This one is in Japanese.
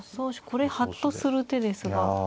これハッとする手ですが。